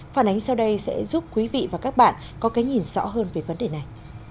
phản ánh sau đây sẽ giúp quý vị và các bạn có cái nhìn rõ hơn về vấn đề này